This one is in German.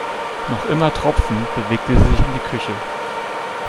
Noch immer tropfend bewegte sie sich in die Küche.